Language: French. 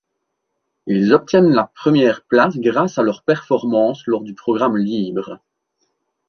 Ils obtiennent la première place grâce à leur performance lors du programme libre.